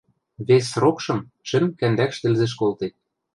Вес срокшым шӹм-кӓндӓкш тӹлзӹш колтет.